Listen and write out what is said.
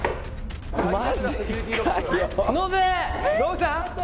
ノブさん？